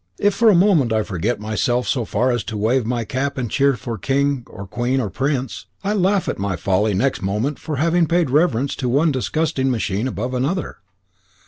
If for a moment I forget myself so far as to wave my cap and cheer for king, or queen, or prince, I laugh at my folly next moment for having paid reverence to one digesting machine above another."